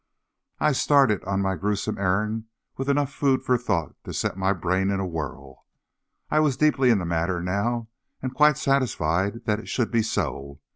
I started on my grewsome errand with enough food for thought to set my brain in a whirl. I was deeply in the matter now, and quite satisfied that it should be so.